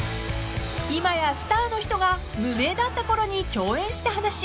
［今やスターの人が無名だったころに共演した話］